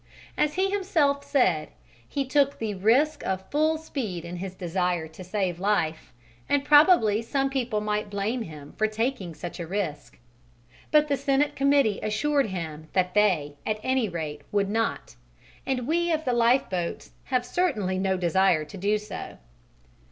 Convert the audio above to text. As he himself said, he "took the risk of full speed in his desire to save life, and probably some people might blame him for taking such a risk." But the Senate Committee assured him that they, at any rate, would not, and we of the lifeboats have certainly no desire to do so.